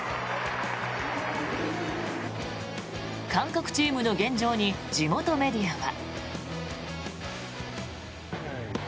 韓国チームの現状に地元メディアは。